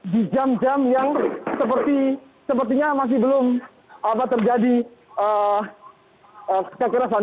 di jam jam yang sepertinya masih belum terjadi kekerasan